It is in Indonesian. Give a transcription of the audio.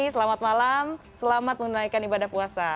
selamat malam selamat menunaikan ibadah puasa